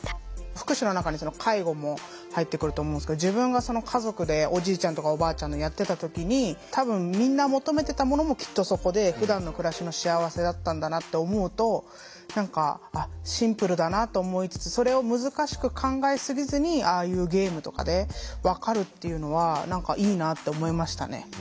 福祉の中に介護も入ってくると思うんですけど自分が家族でおじいちゃんとかおばあちゃんのをやってた時に多分みんな求めてたものもきっとそこで「ふだんの暮らしの幸せ」だったんだなって思うと何かシンプルだなと思いつつそれを難しく考えすぎずにああいうゲームとかで分かるっていうのは何かいいなって思いましたね。